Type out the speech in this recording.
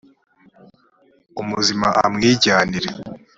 umuzima amwijyanire